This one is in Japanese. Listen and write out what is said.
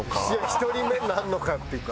１人目になるのかっていうか。